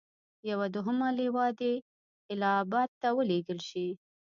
یوه دوهمه لواء دې اله اباد ته ولېږل شي.